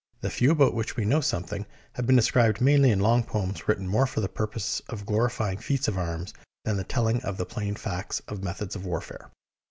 The few about which we know something have been described mainly in long poems written more for the pur pose of glorifying feats of arms than of telling the plain facts of methods of warfare.